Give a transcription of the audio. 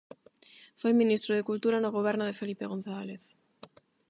Foi ministro de Cultura no goberno de Felipe González.